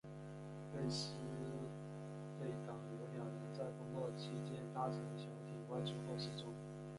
布斯贝港有两人在风暴期间搭乘小艇外出后失踪。